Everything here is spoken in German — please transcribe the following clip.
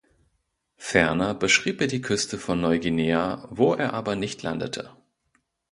Ferner beschrieb er die Küste von Neuguinea, wo er aber nicht landete.